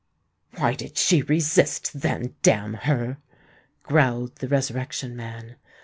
"Why did she resist, then, damn her!" growled the Resurrection Man.